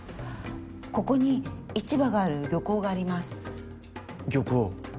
ここに市場がある漁港があります漁港？